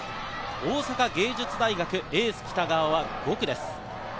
大阪芸術大学、エースの北川は５区です。